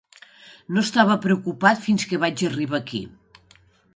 No estava preocupat fins que vaig arribar aquí.